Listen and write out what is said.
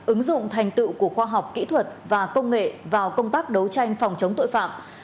ứng dụng thành tựu của khoa học kỹ thuật và công nghệ vào công tác đấu tranh phòng chống tội phạm